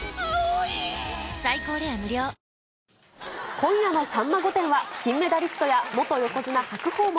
今夜のさんま御殿は、金メダリストや元横綱・白鵬も。